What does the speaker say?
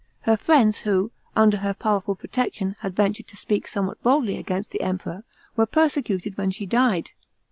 Her friends, who, under her powerful protection, had ventured to speak somewhat boldly against the Emperor, were persecuted when she died.